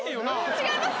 違います